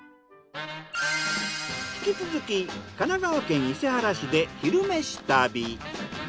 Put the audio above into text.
引き続き神奈川県伊勢原市で「昼めし旅」。